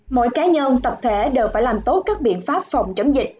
mỗi cá nhân tập thể đều phải làm tốt các biện pháp phòng chống dịch